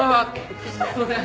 すいません。